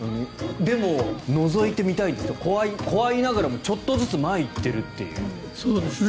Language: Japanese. でものぞいてみたいこわいながらもちょっとずつ前に行ってるという。